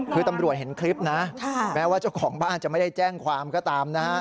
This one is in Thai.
คือตำรวจเห็นคลิปนะแม้ว่าเจ้าของบ้านจะไม่ได้แจ้งความก็ตามนะฮะ